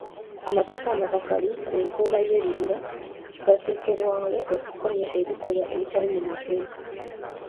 Amateeka amakakali ku nkuuma y'ebibira gateekebwawo okukomya ebikolwa ebitali mu mateeka.